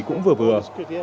cũng vừa vừa